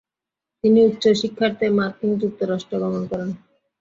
তিনি উচ্চ শিক্ষার্থে মার্কিন যুক্তরাষ্ট্র গমন করেন।